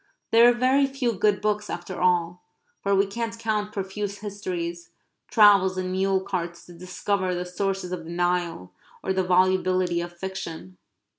There are very few good books after all, for we can't count profuse histories, travels in mule carts to discover the sources of the Nile, or the volubility of fiction.